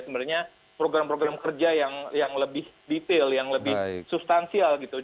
sebenarnya program program kerja yang lebih detail yang lebih substansial gitu